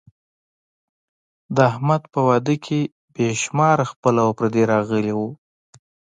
د احمد په واده کې بې شماره خپل او پردي راغلي وو.